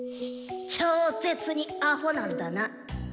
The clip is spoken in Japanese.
超ッ絶にアホなんだな。